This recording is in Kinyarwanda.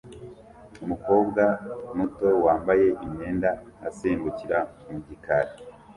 Umukobwa muto wambaye imyenda asimbukira mu gikari